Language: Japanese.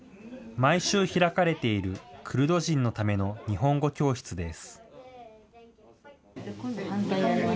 毎週開かれているクルド人のための日本語教室です。